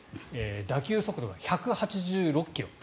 打球速度が１８６ｋｍ。